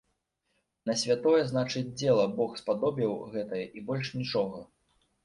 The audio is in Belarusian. На святое, значыць, дзела бог спадобіў, гэтае, і больш нічога.